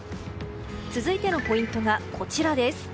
続いてのポイントはこちら。